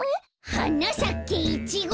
「はなさけイチゴ」